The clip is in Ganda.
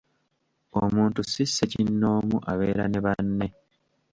Omuntu si ssekinnomu, abeera ne banne.